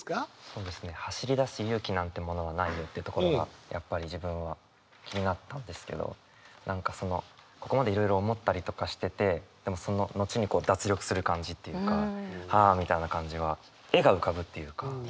そうですね「走り出す勇気なんてものは無いよ」というところがやっぱり自分は気になったんですけど何かそのここまでいろいろ思ったりとかしててその後に脱力する感じっていうかはあみたいな感じは絵が浮かぶっていうか。